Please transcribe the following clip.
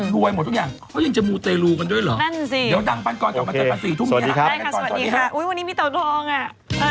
รวยหมดทุกอย่างเขายังจะมูเตรลูกันด้วยเหรอดังปันก่อนกลับมาเจอกัน๔ทุ่มอย่างนี้ครับ